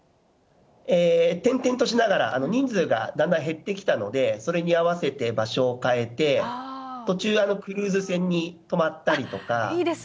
転々としながら、人数がだんだん減ってきたので、それに合わせて場所を変えて、途中、いいですね。